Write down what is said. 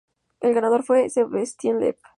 El ganador fue Sebastien Loeb.